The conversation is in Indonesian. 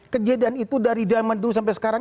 kejadian itu dari zaman dulu sampai sekarang